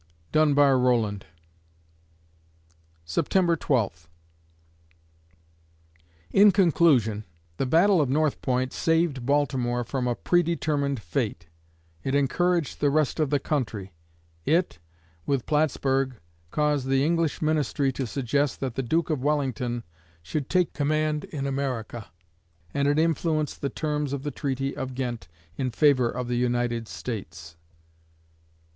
DUNBAR ROWLAND September Twelfth In conclusion, the Battle of North Point saved Baltimore from a pre determined fate; it encouraged the rest of the country; it, with Plattsburg, caused the English Ministry to suggest that the Duke of Wellington should take command in America, and it influenced the terms of the treaty of Ghent in favor of the United States.